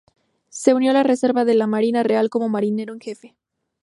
Se unió a la reserva de la Marina Real como marinero en jefe.